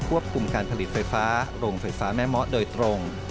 คุมการผลิตไฟฟ้าโรงไฟฟ้าแม่เมาะโดยตรง